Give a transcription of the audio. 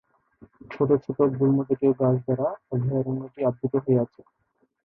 ছোট ছোট গুল্মজাতীয় গাছ দ্বারা অভয়ারণ্যটি আবৃত হয়ে আছে।